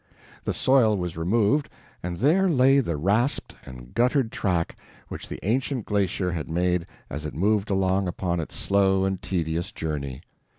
The soil was removed, and there lay the rasped and guttered track which the ancient glacier had made as it moved along upon its slow and tedious journey.